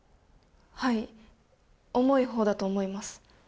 はい重い方だと思います